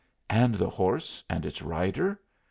And the horse and its rider?